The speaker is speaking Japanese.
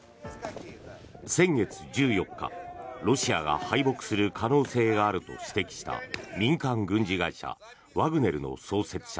先月１４日ロシアが敗北する可能性があると指摘した民間軍事会社ワグネルの創設者